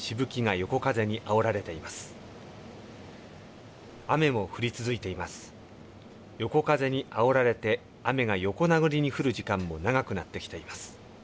横風にあおられて、雨が横殴りに降る時間も長くなってきています。